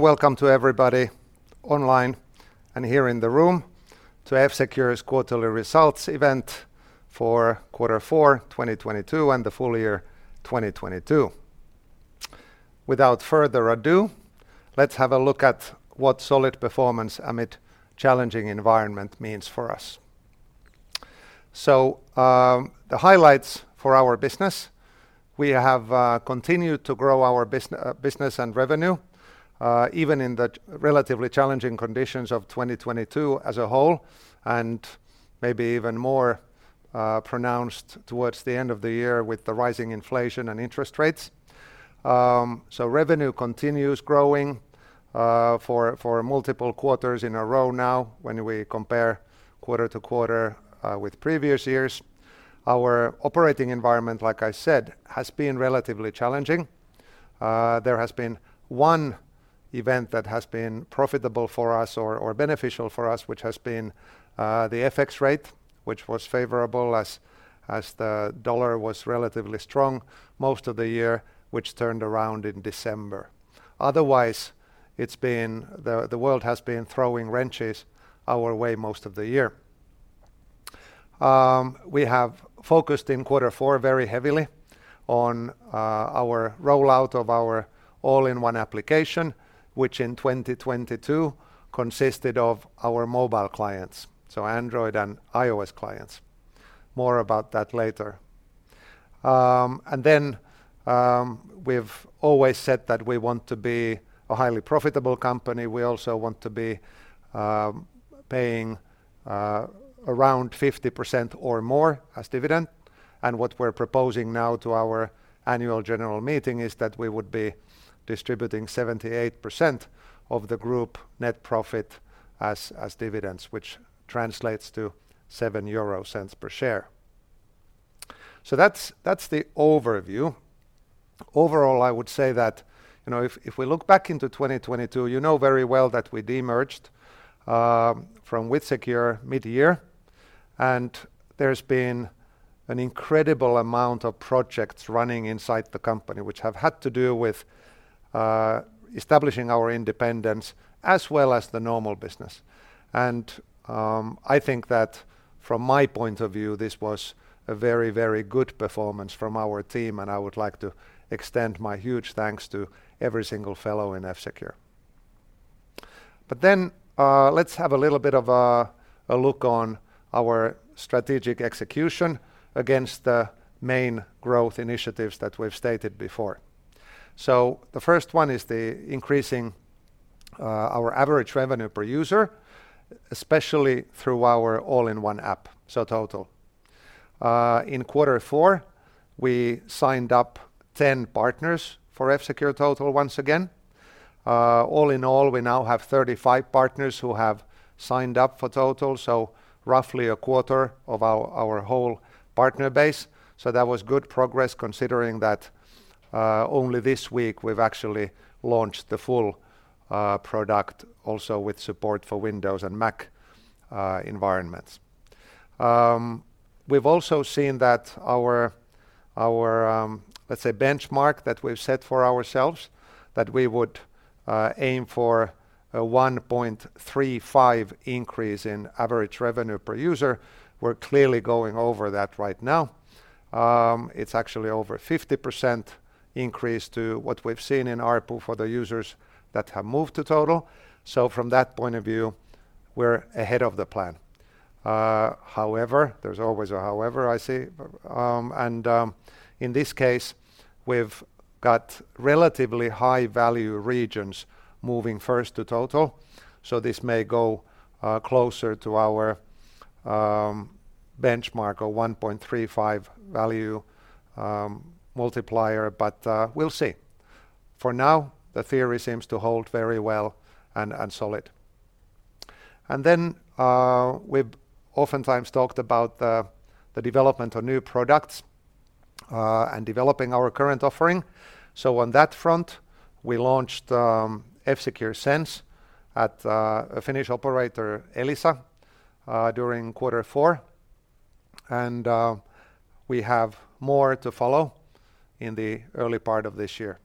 Welcome to everybody online and here in the room to F-Secure's quarterly results event for Q4 2022 and the full year 2022. Without further ado, let's have a look at what solid performance amid challenging environment means for us. The highlights for our business, we have continued to grow our business and revenue, even in the relatively challenging conditions of 2022 as a whole, and maybe even more pronounced towards the end of the year with the rising inflation and interest rates. Revenue continues growing for multiple quarters in a row now when we compare quarter to quarter with previous years. Our operating environment, like I said, has been relatively challenging. There has been one event that has been profitable for us or beneficial for us, which has been the FX rate, which was favorable as the dollar was relatively strong most of the year, which turned around in December. Otherwise, the world has been throwing wrenches our way most of the year. We have focused in Q4 very heavily on our rollout of our all-in-one application, which in 2022 consisted of our mobile clients, so Android and iOS clients. More about that later. We've always said that we want to be a highly profitable company. We also want to be paying around 50% or more as dividend. What we're proposing now to our annual general meeting is that we would be distributing 78% of the group net profit as dividends, which translates to 0.07 per share. That's the overview. Overall, I would say that, you know, if we look back into 2022, you know very well that we de-merged from WithSecure mid-year, and there's been an incredible amount of projects running inside the company, which have had to do with establishing our independence as well as the normal business. I think that from my point of view, this was a very good performance from our team, and I would like to extend my huge thanks to every single fellow in F-Secure. Let's have a little bit of a look on our strategic execution against the main growth initiatives that we've stated before. The first one is the increasing our average revenue per user, especially through our all-in-one app, so F-Secure Total. In Q4, we signed up 10 partners for F-Secure Total once again. All in all, we now have 35 partners who have signed up for F-Secure Total, so roughly a quarter of our whole partner base. That was good progress considering that only this week we've actually launched the full product also with support for Windows and Mac environments. We've also seen that our, let's say, benchmark that we've set for ourselves, that we would aim for a 1.35 increase in average revenue per user. We're clearly going over that right now. It's actually over 50% increase to what we've seen in ARPU for the users that have moved to Total. From that point of view, we're ahead of the plan. However, there's always a however, I say, in this case, we've got relatively high-value regions moving first to Total, so this may go closer to our benchmark of 1.35 value multiplier, we'll see. For now, the theory seems to hold very well and solid. We've oftentimes talked about the development of new products and developing our current offering. On that front, we launched F-Secure Sense at a Finnish operator, Elisa, during Q4, we have more to follow in the early part of this year.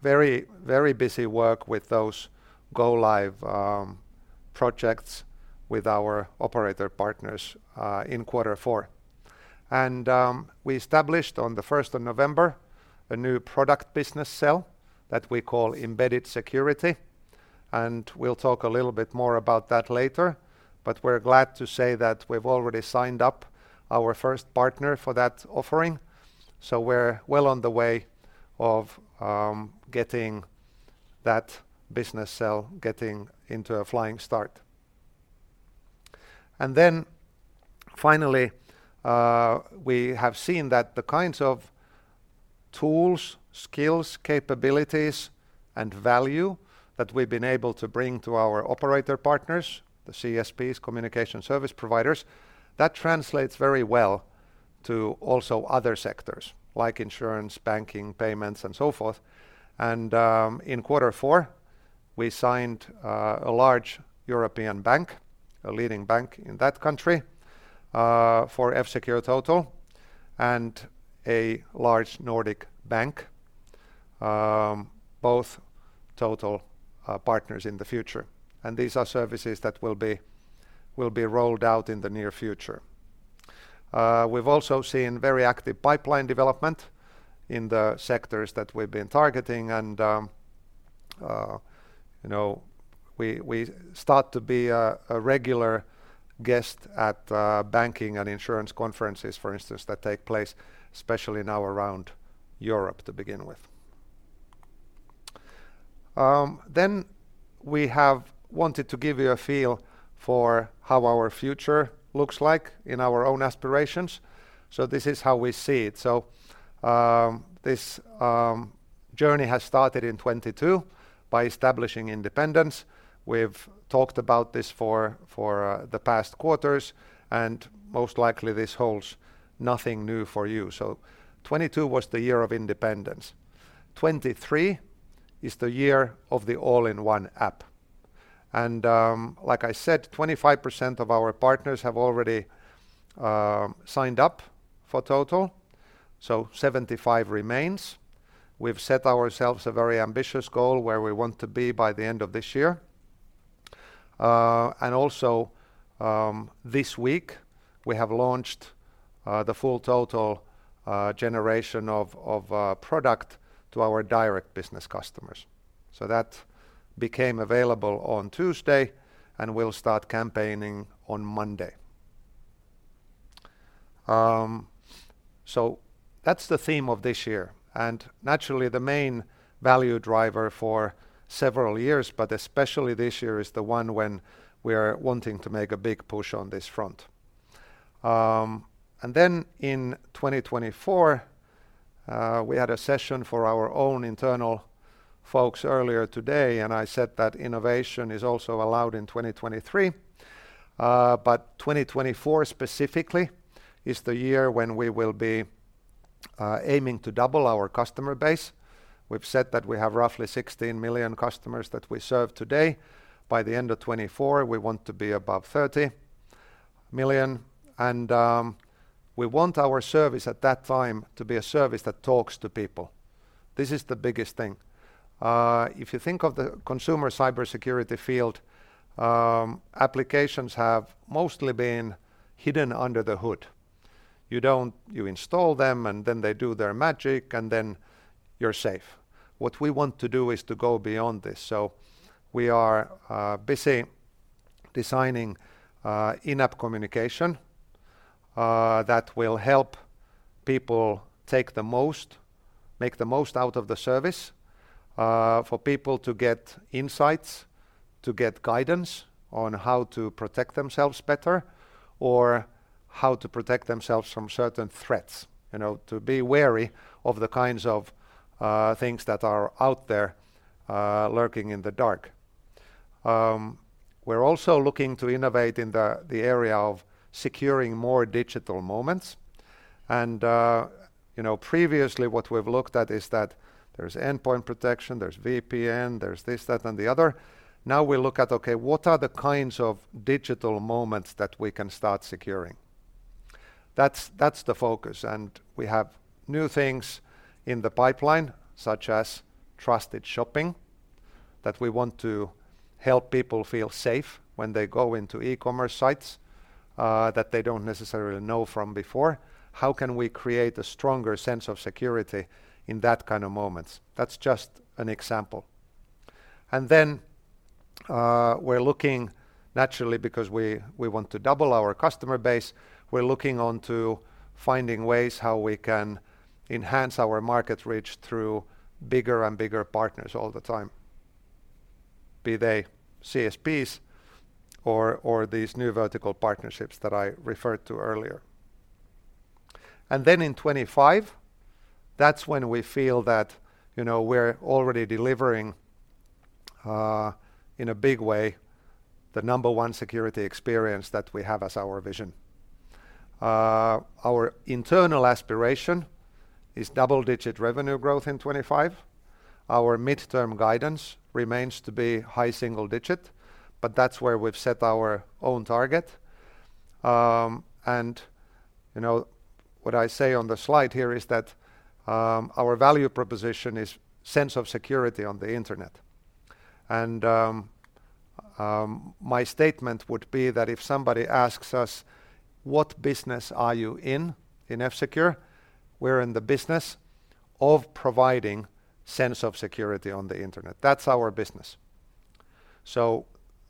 Very, very busy work with those go live projects with our operator partners in Q4. We established on the first of November a new product business cell that we call Embedded Security, and we'll talk a little bit more about that later. We're glad to say that we've already signed up our first partner for that offering, so we're well on the way of getting that business cell getting into a flying start. Finally, we have seen that the kinds of tools, skills, capabilities, and value that we've been able to bring to our operator partners, the CSPs, communication service providers, that translates very well to also other sectors like insurance, banking, payments, and so forth. In Q4, we signed a large European bank, a leading bank in that country, for F-Secure Total and a large Nordic bank, both Total partners in the future. These are services that will be rolled out in the near future. We've also seen very active pipeline development in the sectors that we've been targeting and, you know, we start to be a regular guest at banking and insurance conferences, for instance, that take place especially now around Europe to begin with. We have wanted to give you a feel for how our future looks like in our own aspirations. This is how we see it. This journey has started in 2022 by establishing independence. We've talked about this for the past quarters, and most likely this holds nothing new for you. 2022 was the year of independence. 2023 is the year of the all-in-one app. Like I said, 25% of our partners have already signed up for Total, so 75% remains. We've set ourselves a very ambitious goal where we want to be by the end of this year. And also, this week, we have launched the full Total generation of product to our direct business customers. That became available on Tuesday and will start campaigning on Monday. That's the theme of this year, and naturally, the main value driver for several years, but especially this year is the one when we are wanting to make a big push on this front. In 2024, we had a session for our own internal folks earlier today, and I said that innovation is also allowed in 2023, 2024 specifically is the year when we will be aiming to double our customer base. We've said that we have roughly 16 million customers that we serve today. By the end of 2024, we want to be above 30 million and we want our service at that time to be a service that talks to people. This is the biggest thing. If you think of the consumer cybersecurity field, applications have mostly been hidden under the hood. You install them, and then they do their magic, and then you're safe. What we want to do is to go beyond this. We are busy designing in-app communication that will help people take the most, make the most out of the service, for people to get insights, to get guidance on how to protect themselves better or how to protect themselves from certain threats, you know, to be wary of the kinds of things that are out there, lurking in the dark. We're also looking to innovate in the area of securing more digital moments. You know, previously what we've looked at is that there's endpoint protection, there's VPN, there's this, that, and the other. Now we look at, okay, what are the kinds of digital moments that we can start securing? That's, the focus. We have new things in the pipeline, such as Trusted Shopping, that we want to help people feel safe when they go into e-commerce sites that they don't necessarily know from before. How can we create a stronger sense of security in that kind of moments? That's just an example. We're looking naturally because we want to double our customer base, we're looking onto finding ways how we can enhance our market reach through bigger and bigger partners all the time, be they CSPs or these new vertical partnerships that I referred to earlier. In 2025, that's when we feel that, you know, we're already delivering in a big way the number one security experience that we have as our vision. Our internal aspiration is double-digit revenue growth in 2025. Our midterm guidance remains to be high single digit, but that's where we've set our own target. you know, what I say on the slide here is that, our value proposition is sense of security on the internet. My statement would be that if somebody asks us, "What business are you in F-Secure?" We're in the business of providing sense of security on the internet. That's our business.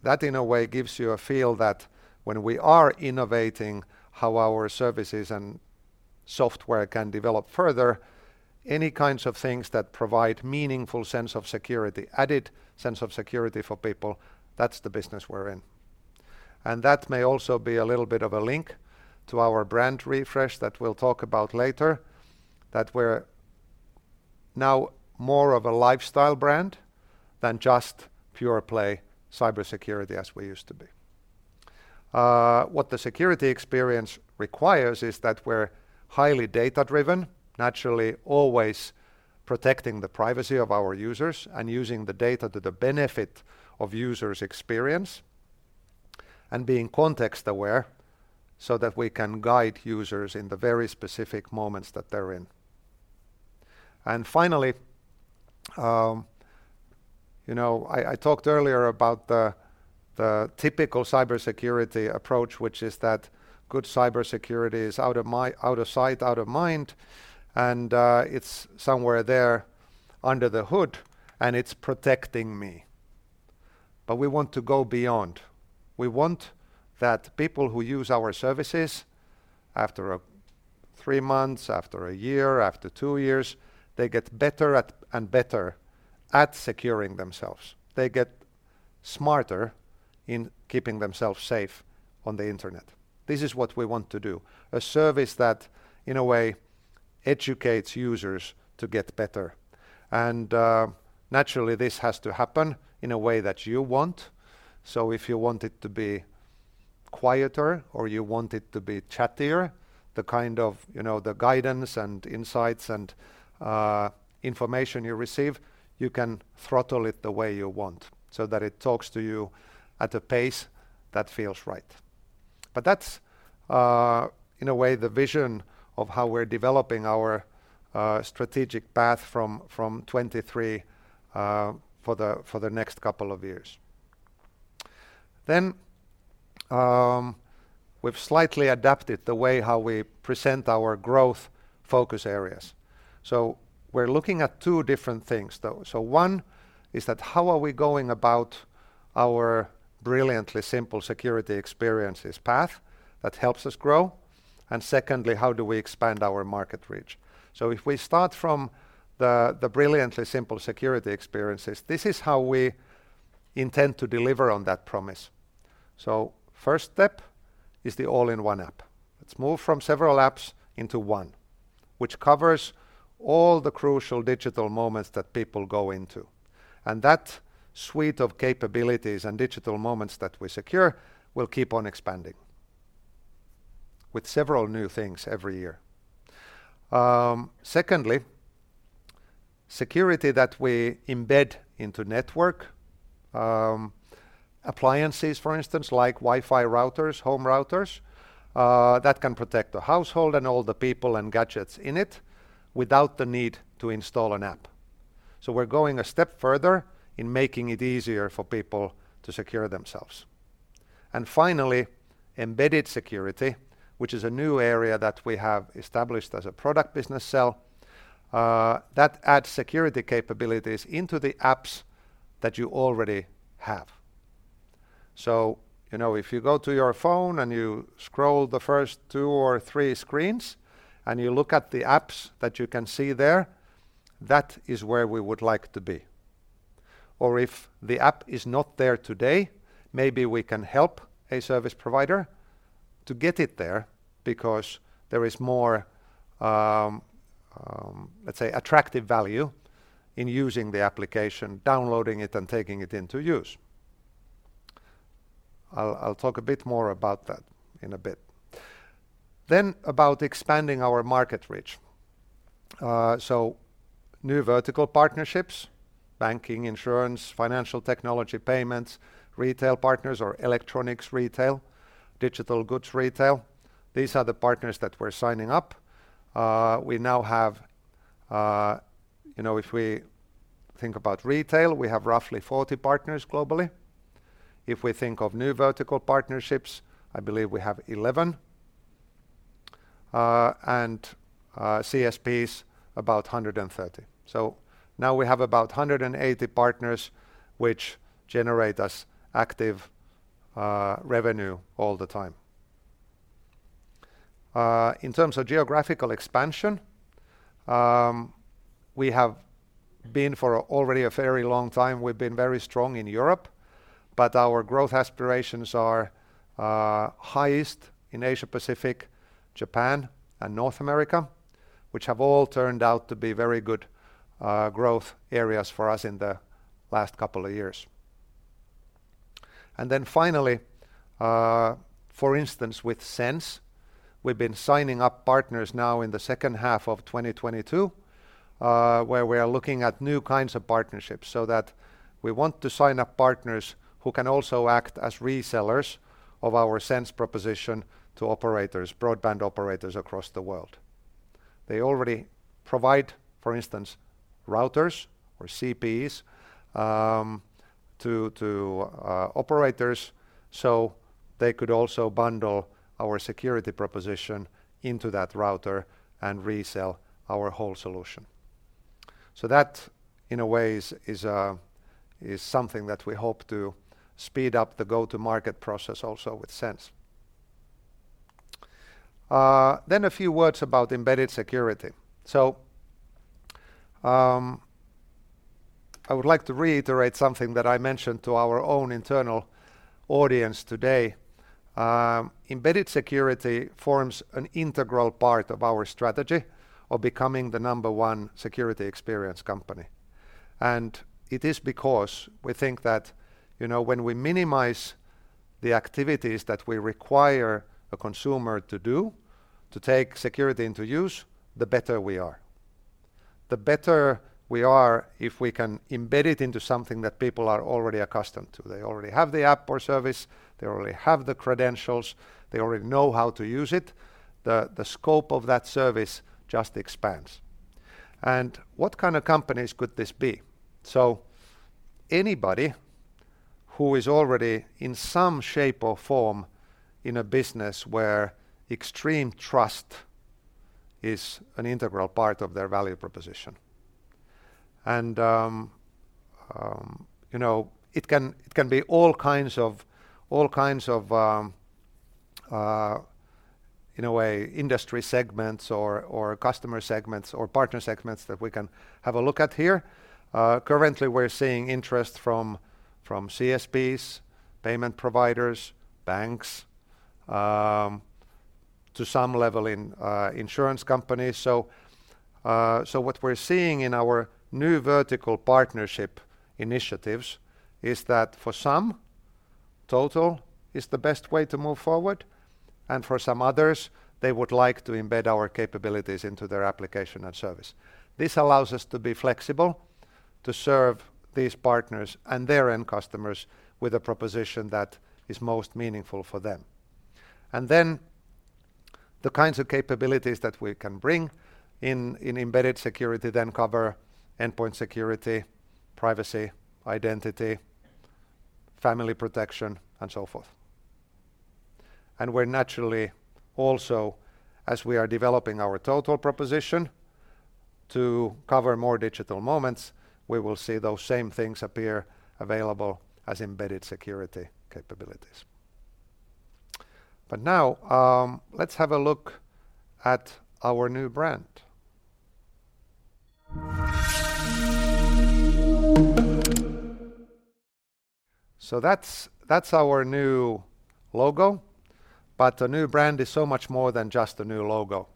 That, in a way, gives you a feel that when we are innovating how our services and software can develop further, any kinds of things that provide meaningful sense of security, added sense of security for people, that's the business we're in. That may also be a little bit of a link to our brand refresh that we'll talk about later, that we're now more of a lifestyle brand than just pure play cybersecurity as we used to be. What the security experience requires is that we're highly data-driven, naturally always protecting the privacy of our users and using the data to the benefit of users' experience, and being context aware so that we can guide users in the very specific moments that they're in. Finally, you know, I talked earlier about the typical cybersecurity approach, which is that good cybersecurity is out of sight, out of mind, and it's somewhere there under the hood, and it's protecting me. We want to go beyond. We want that people who use our services, after three months, after one year, after two years, they get better at, and better at securing themselves. They get smarter in keeping themselves safe on the internet. This is what we want to do, a service that, in a way, educates users to get better. Naturally this has to happen in a way that you want. If you want it to be quieter or you want it to be chattier, the kind of, you know, the guidance and insights and information you receive, you can throttle it the way you want so that it talks to you at a pace that feels right. That's, in a way, the vision of how we're developing our strategic path from 2023, for the next couple of years. We've slightly adapted the way how we present our growth focus areas. We're looking at two different things, though. One is that how are we going about our brilliantly simple security experiences path that helps us grow? Secondly, how do we expand our market reach? If we start from the brilliantly simple security experiences, this is how we intend to deliver on that promise. First step is the all-in-one app. Let's move from several apps into one, which covers all the crucial digital moments that people go into. That suite of capabilities and digital moments that we secure will keep on expanding with several new things every year. Secondly, security that we embed into network appliances, for instance, like Wi-Fi routers, home routers, that can protect the household and all the people and gadgets in it without the need to install an app. We're going a step further in making it easier for people to secure themselves. Finally, Embedded Security, which is a new area that we have established as a product business cell, that adds security capabilities into the apps that you already have. If you go to your phone and you scroll the first two or three screens, and you look at the apps that you can see there, that is where we would like to be. If the app is not there today, maybe we can help a service provider to get it there because there is more, let's say, attractive value in using the application, downloading it, and taking it into use. I'll talk a bit more about that in a bit. About expanding our market reach. So new vertical partnerships, banking, insurance, financial technology, payments, retail partners or electronics retail, digital goods retail, these are the partners that we're signing up. We now have, you know, if we think about retail, we have roughly 40 partners globally. If we think of new vertical partnerships, I believe we have 11, and CSPs about 130. Now we have about 180 partners which generate us active, revenue all the time. In terms of geographical expansion, we have been for already a very long time, we've been very strong in Europe, but our growth aspirations are highest in Asia-Pacific, Japan, and North America, which have all turned out to be very good growth areas for us in the last couple of years. For instance, with SENSE, we've been signing up partners now in the second half of 2022, where we are looking at new kinds of partnerships so that we want to sign up partners who can also act as resellers of our SENSE proposition to operators, broadband operators across the world. They already provide, for instance, routers or CPEs, to operators, so they could also bundle our security proposition into that router and resell our whole solution. That, in a way, is something that we hope to speed up the go-to-market process also with SENSE. A few words about Embedded Security. I would like to reiterate something that I mentioned to our own internal audience today. Embedded Security forms an integral part of our strategy of becoming the number one security experience company. It is because we think that, you know, when we minimize the activities that we require a consumer to do to take security into use, the better we are. The better we are if we can embed it into something that people are already accustomed to. They already have the app or service, they already have the credentials, they already know how to use it, the scope of that service just expands. What kind of companies could this be? Anybody who is already in some shape or form in a business where extreme trust is an integral part of their value proposition. And, you know, it can be all kinds of industry segments or customer segments or partner segments that we can have a look at here. Currently we're seeing interest from CSPs, payment providers, banks, to some level in insurance companies. What we're seeing in our new vertical partnership initiatives is that for some, Total is the best way to move forward, and for some others, they would like to embed our capabilities into their application and service. This allows us to be flexible to serve these partners and their end customers with a proposition that is most meaningful for them. The kinds of capabilities that we can bring in Embedded Security then cover endpoint protection, privacy, identity, family protection and so forth. We're naturally also, as we are developing our Total proposition to cover more digital moments, we will see those same things appear available as Embedded Security capabilities. Let's have a look at our new brand. That's our new logo, but the new brand is so much more than just a new logo.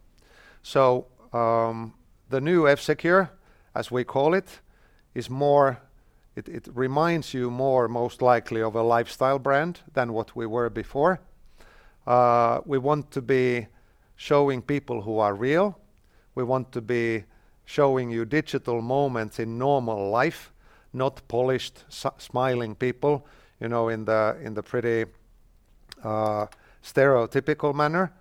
The new F-Secure, as we call it reminds you more most likely of a lifestyle brand than what we were before. We want to be showing people who are real. We want to be showing you digital moments in normal life, not polished smiling people, you know, in the, in the pretty, stereotypical manner.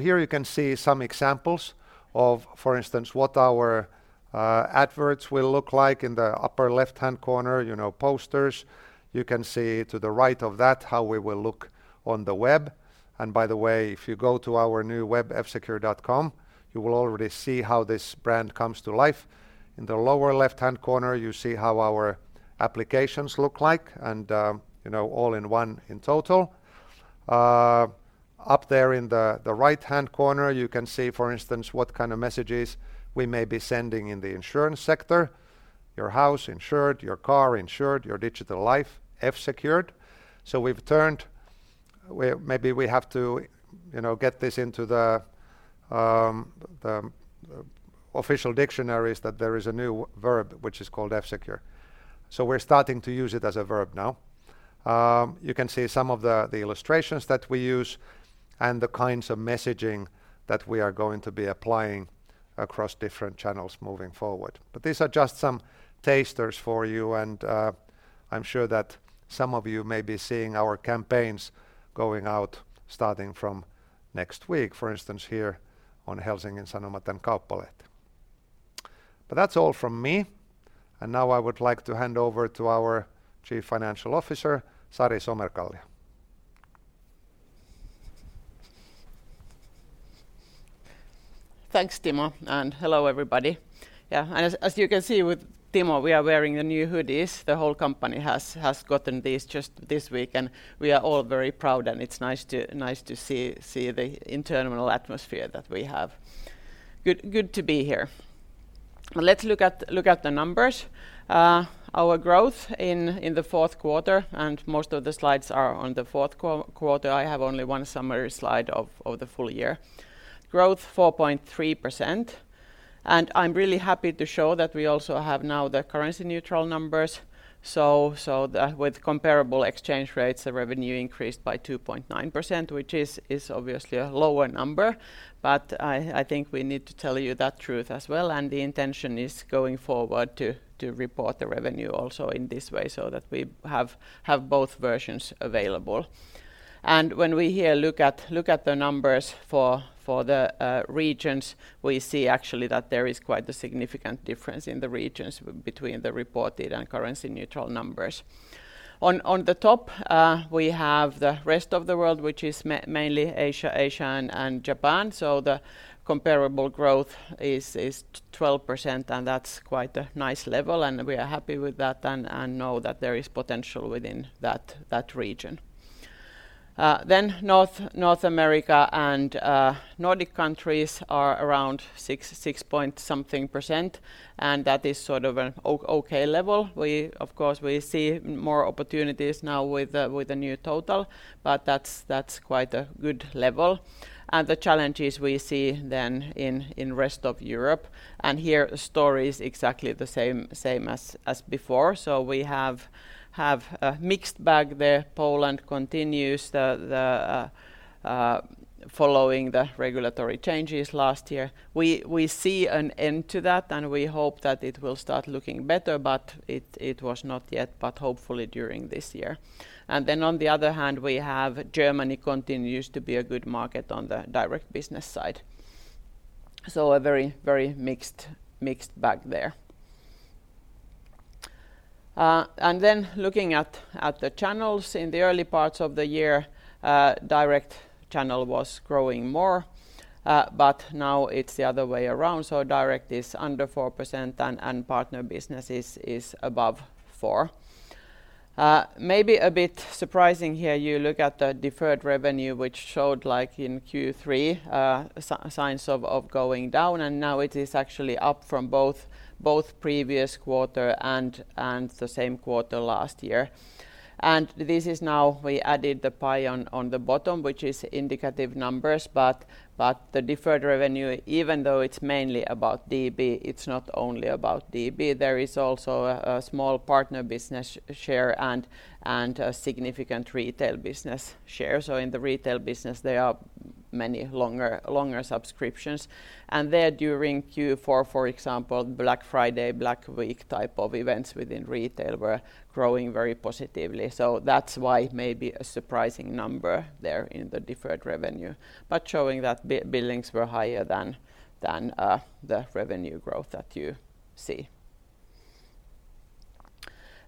Here you can see some examples of, for instance, what our adverts will look like in the upper left-hand corner, you know, posters. You can see to the right of that how we will look on the web. By the way, if you go to our new web f-secure.com, you will already see how this brand comes to life. In the lower left-hand corner, you see how our applications look like and, you know, all in one in Total. Up there in the right-hand corner, you can see, for instance, what kind of messages we may be sending in the insurance sector. Your house insured, your car insured, your digital life F-Secured. We've turned maybe we have to, you know, get this into the official dictionaries that there is a new verb which is called F-Secure. We're starting to use it as a verb now. You can see some of the illustrations that we use and the kinds of messaging that we are going to be applying across different channels moving forward. These are just some tasters for you and I'm sure that some of you may be seeing our campaigns going out starting from next week, for instance, here on Helsingin Sanomat and Kauppalehti. That's all from me. Now I would like to hand over to our Chief Financial Officer, Sari Somerkallio. Thanks, Timo. Hello, everybody. As you can see with Timo, we are wearing the new hoodies. The whole company has gotten these just this week, and we are all very proud, and it's nice to see the internal atmosphere that we have. Good to be here. Let's look at the numbers. Our growth in Q4, and most of the slides are on Q4, I have only one summary slide of the full year. Growth 4.3%, and I'm really happy to show that we also have now the currency neutral numbers. With comparable exchange rates, the revenue increased by 2.9%, which is obviously a lower number, but I think we need to tell you that truth as well, and the intention is going forward to report the revenue also in this way so that we have both versions available. When we here look at the numbers for the regions, we see actually that there is quite a significant difference in the regions between the reported and currency neutral numbers. On the top, we have the rest of the world, which is mainly Asia and Japan. The comparable growth is 12%, and that's quite a nice level, and we are happy with that and know that there is potential within that region. North America and Nordic countries are around 6% point something, and that is sort of an okay level. We, of course, see more opportunities now with the new Total, but that's quite a good level. The challenges we see then in rest of Europe, and here the story is exactly the same as before. We have a mixed bag there. Poland continues following the regulatory changes last year, we see an end to that and we hope that it will start looking better, but it was not yet, but hopefully during this year. On the other hand, we have Germany continues to be a good market on the direct business side. A very mixed bag there. Then looking at the channels, in the early parts of the year, direct channel was growing more. Now it's the other way around, so direct is under 4% and partner business is above 4%. Maybe a bit surprising here, you look at the deferred revenue, which showed like in Q3, signs of going down and now it is actually up from both previous quarter and the same quarter last year. This is now we added the pie on the bottom, which is indicative numbers, but the deferred revenue, even though it's mainly about DB, it's not only about DB. There is also a small partner business share and a significant retail business share. In the retail business, there are many longer subscriptions, and there during Q4, for example, Black Friday, Black Week type of events within retail were growing very positively. That's why maybe a surprising number there in the deferred revenue, but showing that billings were higher than the revenue growth that you see.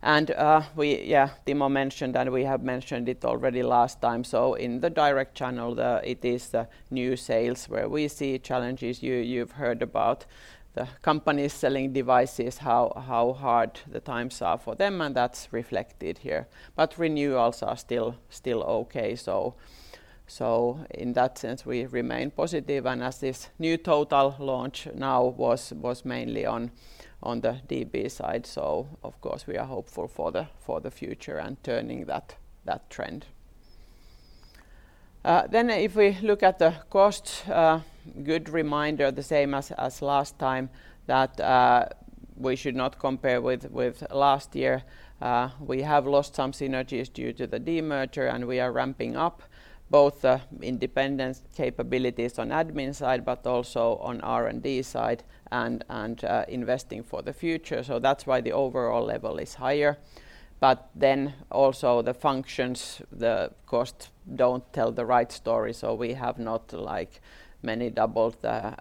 Yeah, Timo mentioned that we have mentioned it already last time. In the direct channel, it is the new sales where we see challenges. You've heard about the companies selling devices, how hard the times are for them, and that's reflected here. Renewals are still okay, so in that sense, we remain positive. As this new Total launch now was mainly on the DB side. Of course we are hopeful for the future and turning that trend. If we look at the cost, good reminder the same as last time that we should not compare with last year. We have lost some synergies due to the demerger, and we are ramping up both the independence capabilities on admin side, but also on R&D side and investing for the future. That's why the overall level is higher. Also the functions, the cost don't tell the right story, we have not like many doubled the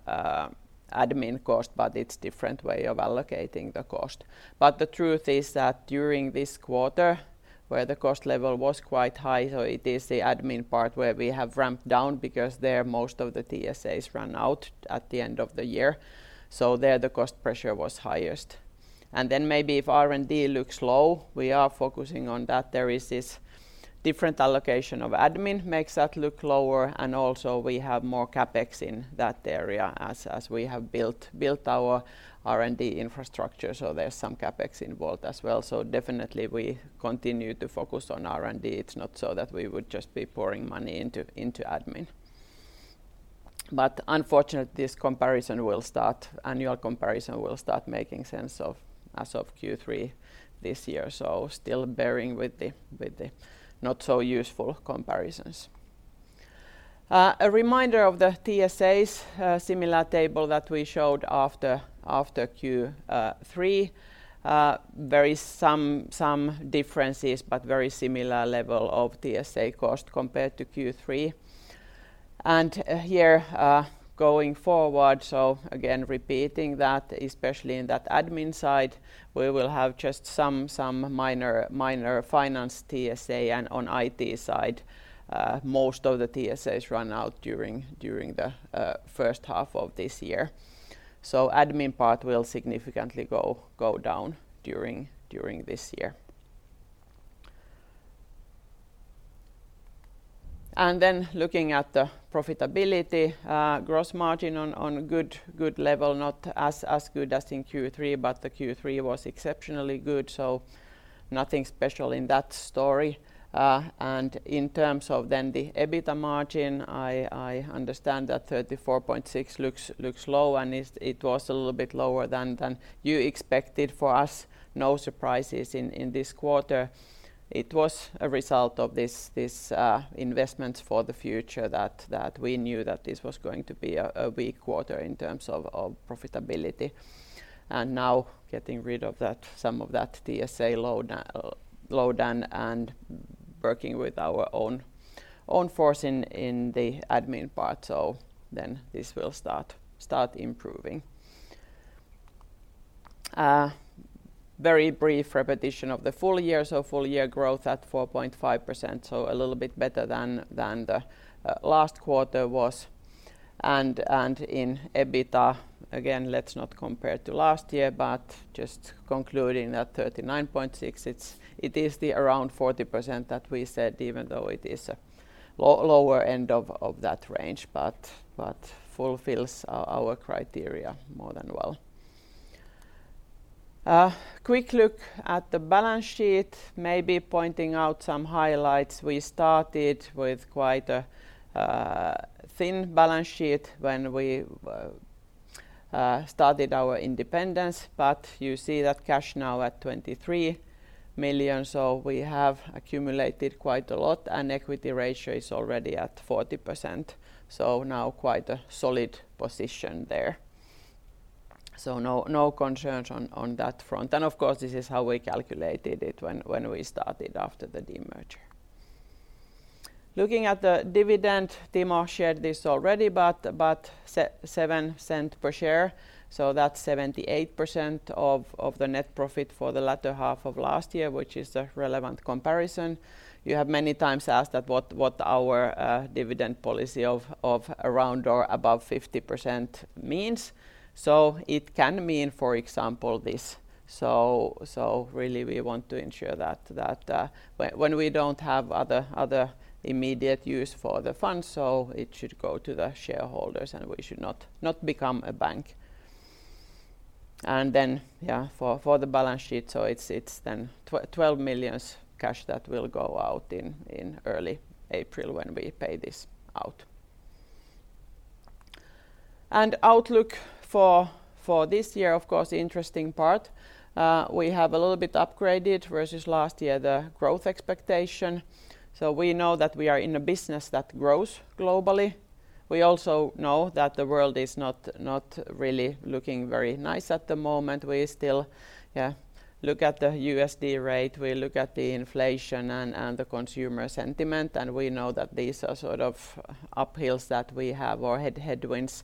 admin cost, but it's different way of allocating the cost. The truth is that during this quarter, where the cost level was quite high, it is the admin part where we have ramped down because there most of the TSAs ran out at the end of the year. There, the cost pressure was highest. Then maybe if R&D looks low, we are focusing on that. There is this different allocation of admin makes that look lower. And also we have more CapEx in that area as we have built our R&D infrastructure. There's some CapEx involved as well. Definitely we continue to focus on R&D. It's not so that we would just be pouring money into admin. Unfortunately, this annual comparison will start making sense of as of Q3 this year. Still bearing with the not so useful comparisons. A reminder of the TSAs, a similar table that we showed after Q3. There is some differences but very similar level of TSA cost compared to Q3. Here, going forward, again, repeating that, especially in that admin side, we will have just some minor finance TSA and on IT side, most of the TSAs run out during the first half of this year. Admin part will significantly go down during this year. Looking at the profitability, gross margin on good level, not as good as in Q3, but the Q3 was exceptionally good, so nothing special in that story. In terms of then the EBITDA margin, I understand that 34.6 looks low and it was a little bit lower than you expected for us. No surprises in this quarter. It was a result of this investments for the future that we knew that this was going to be a weak quarter in terms of profitability. Now getting rid of that, some of that TSA load down and working with our own force in the admin part. This will start improving. Very brief repetition of the full year. Full year growth at 4.5%, so a little bit better than the last quarter was. In EBITDA, again, let's not compare to last year, but just concluding that 39.6%, it is the around 40% that we said, even though it is a lower end of that range, but fulfills our criteria more than well. Quick look at the balance sheet. Maybe pointing out some highlights. We started with quite a thin balance sheet when we started our independence, but you see that cash now at 23 million, so we have accumulated quite a lot, and equity ratio is already at 40%. Now quite a solid position there. No concerns on that front. Of course, this is how we calculated it when we started after the demerger. Looking at the dividend, Timo shared this already, but about 0.07 per share. That's 78% of the net profit for the latter half of last year, which is the relevant comparison. You have many times asked that what our dividend policy of around or above 50% means. It can mean, for example, this. Really we want to ensure that when we don't have other immediate use for the funds, it should go to the shareholders and we should not become a bank. Yeah, for the balance sheet, it's then 12 million cash that will go out in early April when we pay this out. Outlook for this year, of course, interesting part. We have a little bit upgraded versus last year the growth expectation. We know that we are in a business that grows globally. We also know that the world is not really looking very nice at the moment. We still look at the USD rate, we look at the inflation and the consumer sentiment, and we know that these are sort of uphills that we have or headwinds.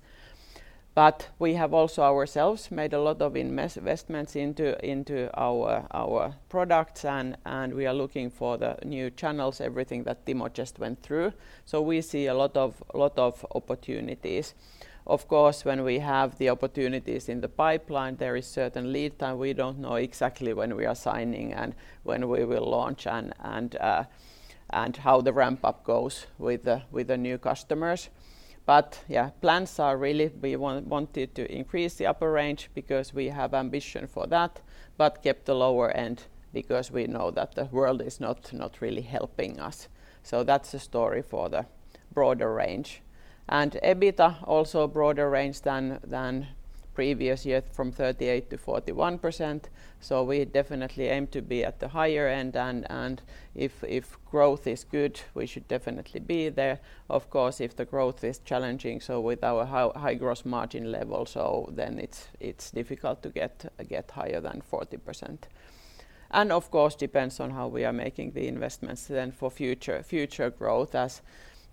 We have also ourselves made a lot of investments into our products and we are looking for the new channels, everything that Timo just went through. We see a lot of opportunities. Of course, when we have the opportunities in the pipeline, there is certain lead time. We don't know exactly when we are signing and when we will launch and how the ramp-up goes with the new customers. Yeah, plans are really we wanted to increase the upper range because we have ambition for that, but kept the lower end because we know that the world is not really helping us. That's the story for the broader range. EBITDA also broader range than previous year from 38%-41%, so we definitely aim to be at the higher end, and if growth is good, we should definitely be there. Of course, if the growth is challenging, so with our high gross margin level, then it's difficult to get higher than 40%. Of course, depends on how we are making the investments then for future growth. As,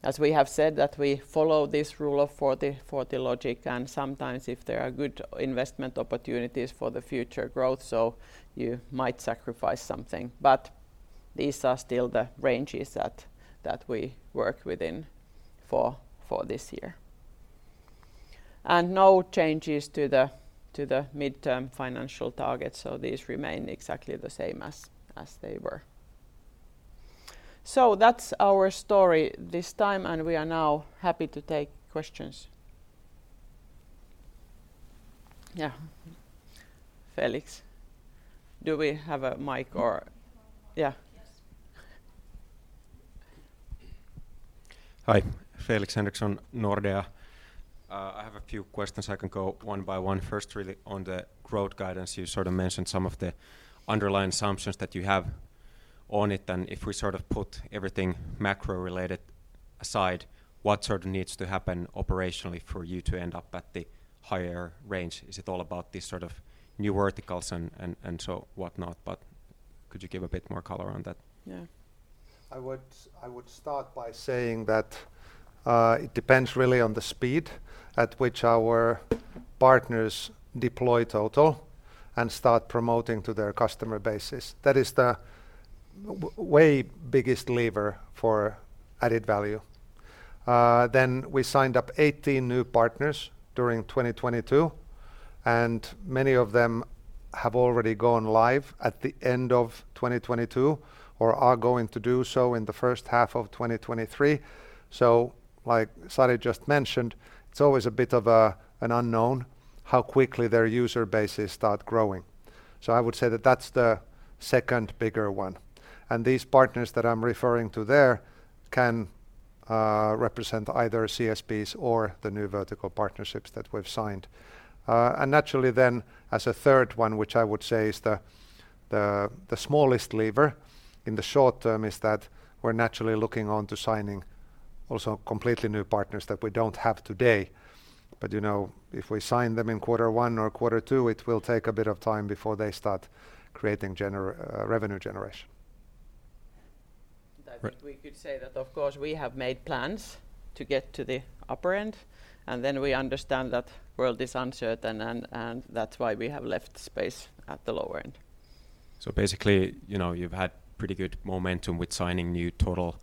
as we have said that we follow this Rule of 40 logic, sometimes if there are good investment opportunities for the future growth, you might sacrifice something. These are still the ranges that we work within for this year. No changes to the, to the midterm financial targets, these remain exactly the same as they were. That's our story this time, we are now happy to take questions. Yeah. Felix. Do we have a mic? We have a mic. Yeah. Yes. Hi. Felix Henriksson, Nordea. I have a few questions. I can go one by one. First, really on the growth guidance, you sort of mentioned some of the underlying assumptions that you have on it, and if we sort of put everything macro-related aside, what sort of needs to happen operationally for you to end up at the higher range? Is it all about these sort of new verticals and so whatnot, but could you give a bit more color on that? Yeah. I would start by saying that it depends really on the speed at which our partners deploy Total and start promoting to their customer bases. That is the way biggest lever for added value. We signed up 18 new partners during 2022, and many of them have already gone live at the end of 2022 or are going to do so in the first half of 2023. Like Sari just mentioned, it's always a bit of a, an unknown how quickly their user bases start growing. I would say that that's the second bigger one. These partners that I'm referring to there can represent either CSPs or the new vertical partnerships that we've signed. Naturally then, as a third one, which I would say is the smallest lever in the short term is that we're naturally looking on to signing also completely new partners that we don't have today. You know, if we sign them in Q1 or Q2, it will take a bit of time before they start creating revenue generation. Great. I think we could say that, of course, we have made plans to get to the upper end, and then we understand that world is uncertain and that's why we have left space at the lower end. Basically, you know, you've had pretty good momentum with signing new Total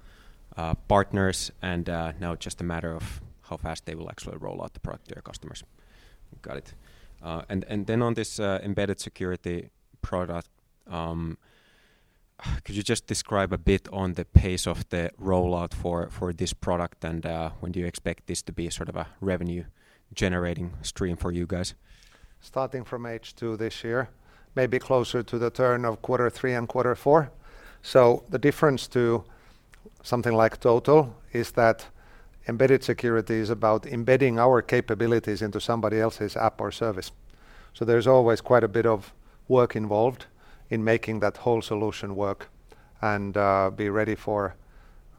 partners, and now it's just a matter of how fast they will actually roll out the product to their customers. Got it. Then on this Embedded Security product, could you just describe a bit on the pace of the rollout for this product and when do you expect this to be sort of a revenue-generating stream for you guys? Starting from H2 this year, maybe closer to the turn of Q3 and Q4. The difference to something like Total is that Embedded Security is about embedding our capabilities into somebody else's app or service. There's always quite a bit of work involved in making that whole solution work and be ready for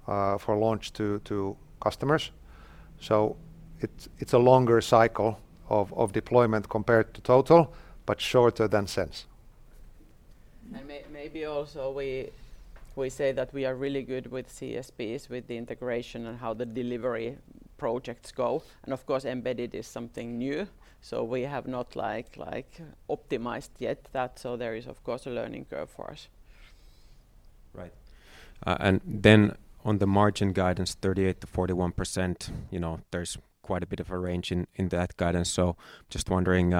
launch to customers. It's a longer cycle of deployment compared to Total, but shorter than SENSE. Maybe also we say that we are really good with CSPs, with the integration and how the delivery projects go. Of course, embedded is something new, so we have not, like, optimized yet that. There is, of course, a learning curve for us. Right. On the margin guidance, 38%-41%, you know, there's quite a bit of a range in that guidance. Just wondering,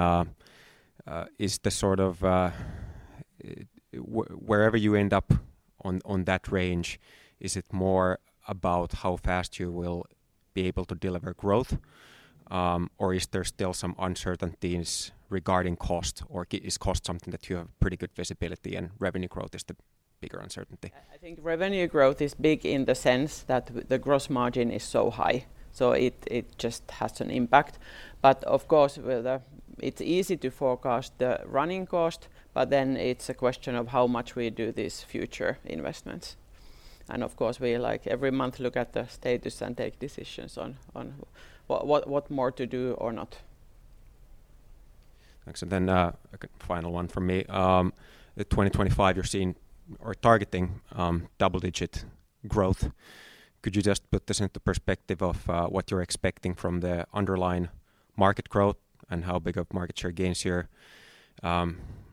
is the sort of wherever you end up on that range, is it more about how fast you will be able to deliver growth? Is there still some uncertainties regarding cost? Is cost something that you have pretty good visibility and revenue growth is the bigger uncertainty? I think revenue growth is big in the sense that the gross margin is so high, so it just has an impact. Of course, with the... It's easy to forecast the running cost, but then it's a question of how much we do these future investments. Of course, we, like, every month look at the status and take decisions on what more to do or not. Thanks. Okay, final one from me. At 2025, you're seeing or targeting double-digit growth. Could you just put this into perspective of what you're expecting from the underlying market growth and how big of market share gains you're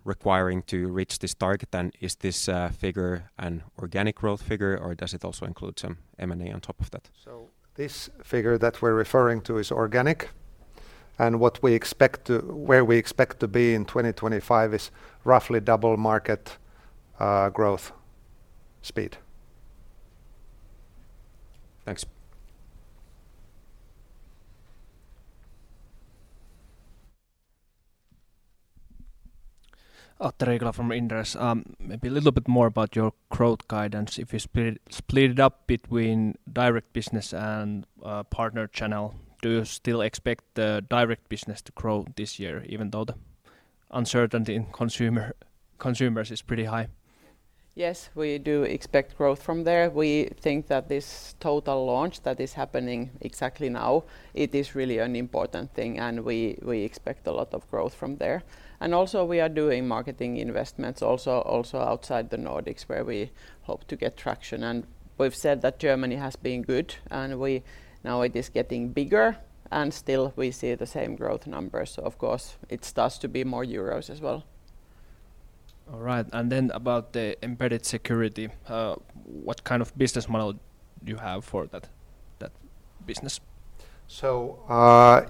requiring to reach this target? Is this figure an organic growth figure, or does it also include some M&A on top of that? This figure that we're referring to is organic, and where we expect to be in 2025 is roughly double market, growth speed. Thanks. Atte Riikola from Inderes. Maybe a little bit more about your growth guidance. If you split it up between direct business and partner channel, do you still expect the direct business to grow this year even though the uncertainty in consumers is pretty high? Yes, we do expect growth from there. We think that this Total launch that is happening exactly now, it is really an important thing, and we expect a lot of growth from there. Also, we are doing marketing investments also outside the Nordics, where we hope to get traction. We've said that Germany has been good, and now it is getting bigger, and still we see the same growth numbers. Of course, it starts to be more euros as well. All right. Then about the Embedded Security, what kind of business model do you have for that business?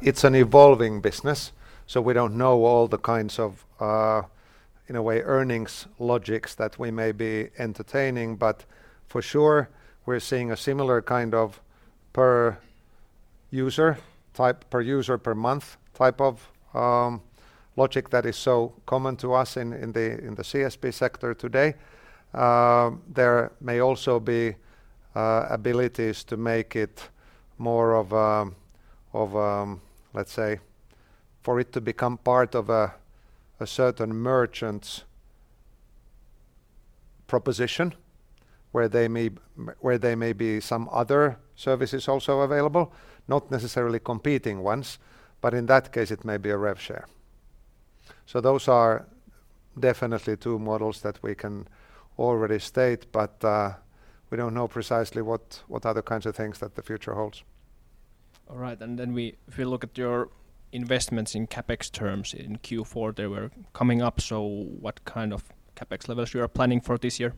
It's an evolving business, so we don't know all the kinds of, in a way, earnings logics that we may be entertaining. For sure, we're seeing a similar kind of per user type, per user per month type of, logic that is so common to us in the, in the CSP sector today. There may also be abilities to make it more of, let's say, for it to become part of a certain merchant's proposition where they may where there may be some other services also available, not necessarily competing ones. In that case, it may be a rev share. Those are definitely two models that we can already state, but, we don't know precisely what other kinds of things that the future holds. All right. If we look at your investments in CapEx terms, in Q4 they were coming up. What kind of CapEx levels you are planning for this year?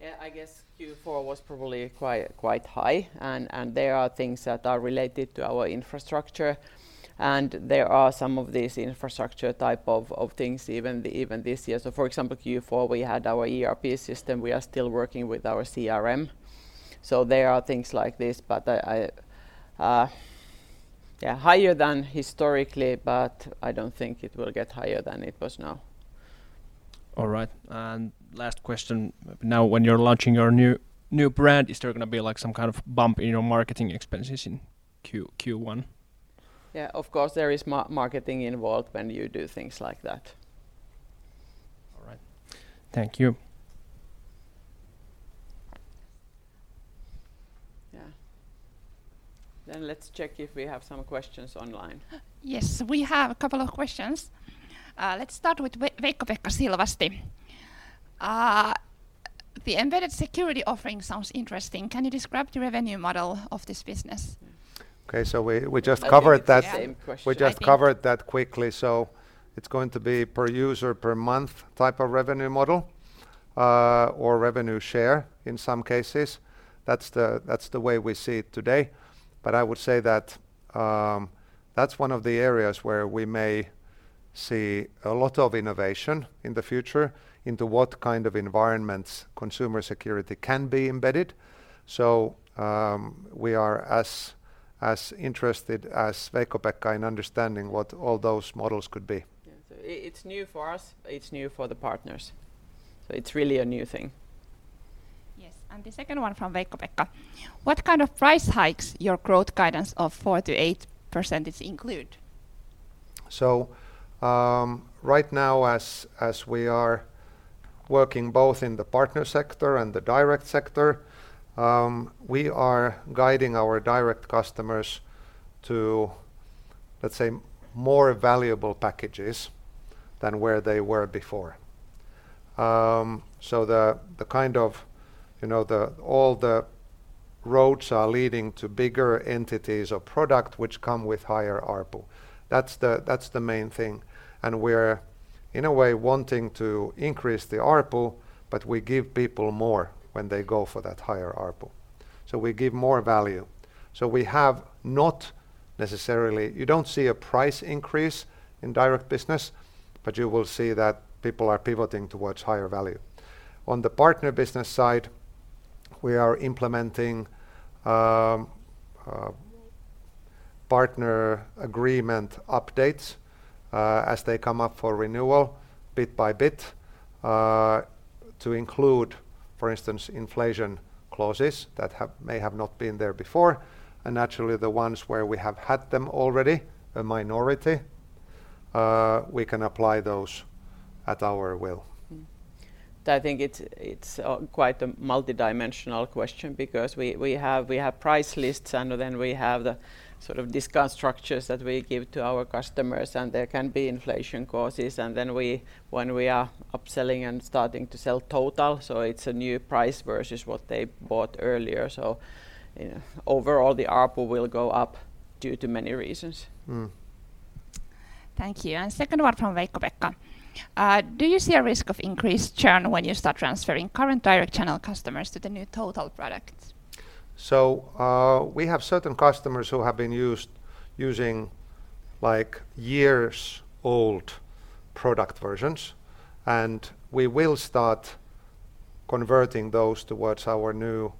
Yeah, I guess Q4 was probably quite high. There are things that are related to our infrastructure. There are some of these infrastructure type of things even this year. For example, Q4, we had our ERP system. We are still working with our CRM. There are things like this, but I... Yeah, higher than historically. I don't think it will get higher than it was now. All right. Last question. Now when you're launching your new brand, is there gonna be, like, some kind of bump in your marketing expenses in Q1? Yeah, of course, there is marketing involved when you do things like that. All right. Thank you. Yeah. Let's check if we have some questions online. Yes, we have a couple of questions. Let's start with Veikkopekka Silvasti. The Embedded Security offering sounds interesting. Can you describe the revenue model of this business? Okay, we just covered that. I think it's the same question. We just covered that quickly. it's going to be per user per month type of revenue model, or revenue share in some cases. That's the way we see it today. I would say that's one of the areas where we may see a lot of innovation in the future into what kind of environments consumer security can be embedded. we are as interested as Veikkopekka in understanding what all those models could be. Yeah, it's new for us. It's new for the partners. It's really a new thing. Yes. The second one from Veikkopekka. What kind of price hikes your growth guidance of 4%-8% include? Right now, as we are working both in the partner sector and the direct sector, we are guiding our direct customers to, let's say, more valuable packages than where they were before. The kind of, you know, all the roads are leading to bigger entities of product which come with higher ARPU. That's the main thing. We're, in a way, wanting to increase the ARPU, but we give people more when they go for that higher ARPU. We give more value. We have not necessarily, you don't see a price increase in direct business, but you will see that people are pivoting towards higher value. On the partner business side, we are implementing partner agreement updates as they come up for renewal bit by bit to include, for instance, inflation clauses that have, may have not been there before. Naturally, the ones where we have had them already, a minority, we can apply those at our will. I think it's quite a multidimensional question because we have price lists, and then we have the sort of discount structures that we give to our customers, and there can be inflation causes. Then we, when we are upselling and starting to sell Total, it's a new price versus what they bought earlier. You know, overall the ARPU will go up due to many reasons. Mm. Thank you. Second one from Veikkopekka. Do you see a risk of increased churn when you start transferring current direct channel customers to the new Total products? We have certain customers who have been using, like, years-old product versions, and we will start converting those towards our new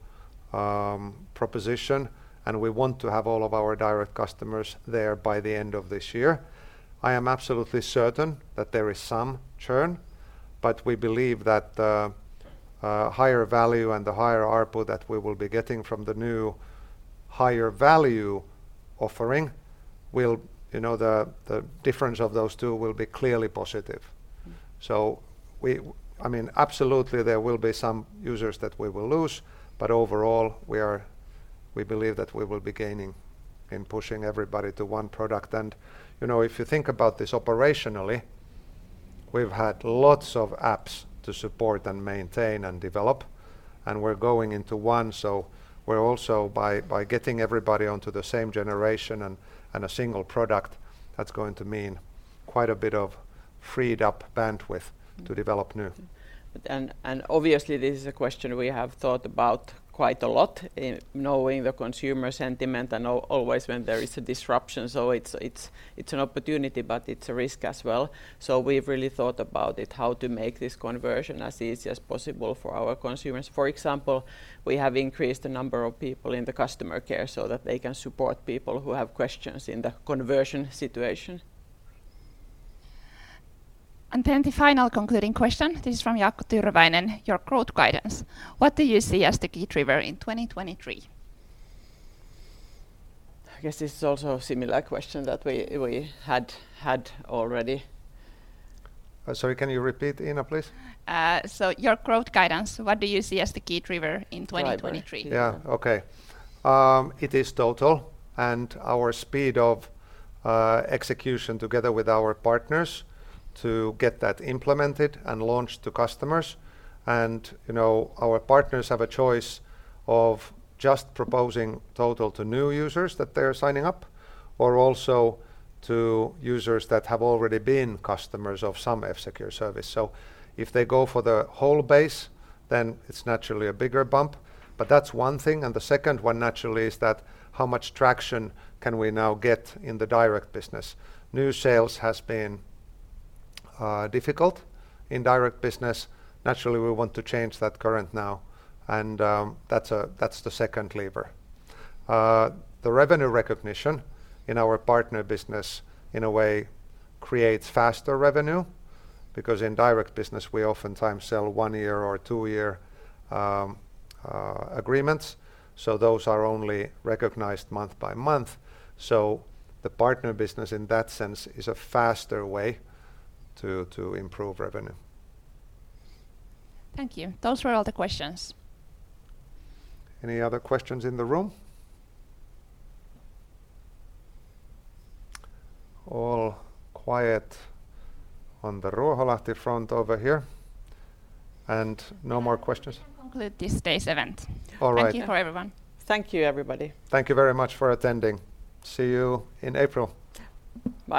proposition, and we want to have all of our direct customers there by the end of this year. I am absolutely certain that there is some churn, but we believe that the higher value and the higher ARPU that we will be getting from the new higher value offering will, you know, the difference of those two will be clearly positive. Mm. I mean, absolutely there will be some users that we will lose, but overall we believe that we will be gaining in pushing everybody to one product. You know, if you think about this operationally, we've had lots of apps to support and maintain and develop, and we're going into one. We're also by getting everybody onto the same generation and a single product, that's going to mean quite a bit of freed up bandwidth...... Mm... to develop new. Obviously this is a question we have thought about quite a lot in knowing the consumer sentiment and always when there is a disruption. It's an opportunity, but it's a risk as well. We've really thought about it, how to make this conversion as easy as possible for our consumers. For example, we have increased the number of people in the customer care so that they can support people who have questions in the conversion situation. The final concluding question. This is from Jaakko Tyrväinen. Your growth guidance, what do you see as the key driver in 2023? I guess this is also a similar question that we had already. Sorry, can you repeat, Iina, please? Your growth guidance, what do you see as the key driver in 2023? Driver. Driver. Yeah. Okay. It is Total and our speed of execution together with our partners to get that implemented and launched to customers. You know, our partners have a choice of just proposing Total to new users that they're signing up or also to users that have already been customers of some F-Secure service. If they go for the whole base, then it's naturally a bigger bump. That's one thing, and the second one naturally is that how much traction can we now get in the direct business. New sales has been difficult in direct business. Naturally, we want to change that current now. That's the second lever. The revenue recognition in our partner business, in a way, creates faster revenue because in direct business we oftentimes sell one-year or two-year agreements. Those are only recognized month by month. The partner business in that sense is a faster way to improve revenue. Thank you. Those were all the questions. Any other questions in the room? All quiet on the Ruoholahti front over here, and no more questions. We can conclude this day's event. All right. Thank you for everyone. Thank you, everybody. Thank you very much for attending. See you in April. Bye.